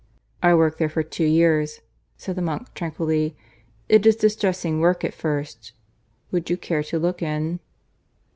"I worked there for two years," said the monk tranquilly. "It is distressing work at first. Would you care to look in?"